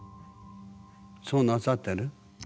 そうなさってる？